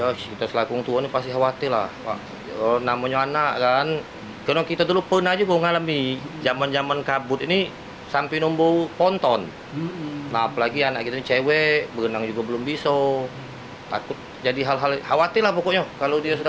harapan ke pemerintah supaya cepat dipadam karena kesian dengan warga warga